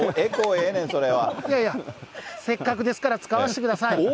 いやいや、せっかくですから、使わせてください。